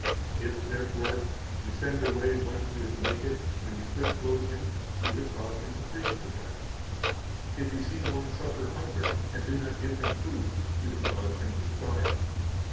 190 If, therefore, you send away one that is naked when you could clothe him, you have caused him to freeze to death; if you see one suffer hunger and do not give him food, you have caused him to starve.